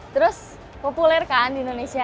terus populer kan di indonesia